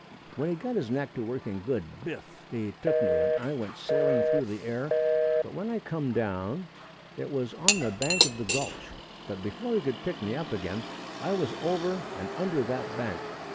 When he got his neck to working good, biff! he took me and I went sailing through the air, but when I come down it was on the bank of the gulch, and before he could pick me up again I was over and under that bank.